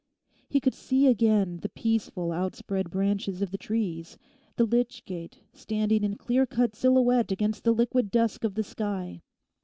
He could see again the peaceful outspread branches of the trees, the lych gate standing in clear cut silhouette against the liquid dusk of the sky.